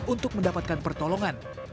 untuk mendapatkan pertolongan